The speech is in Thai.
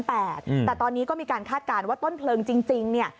แต่ตอนนี้ก็มีการคาดการณ์ว่าต้นเพลิงจริงเนี่ย